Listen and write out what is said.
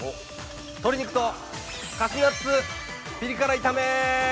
鶏肉とカシューナッツピリ辛炒め。